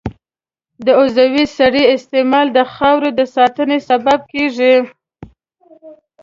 د عضوي سرې استعمال د خاورې د ساتنې سبب کېږي.